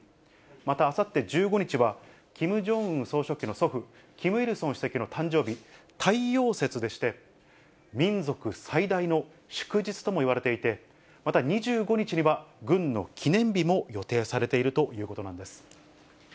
また、あさって１５日は、キム・ジョンウン総書記の祖父、キム・イルソン主席の誕生日、太陽節でして、民族最大の祝日ともいわれていて、また２５日には、軍の記念日も予定されているということなんです。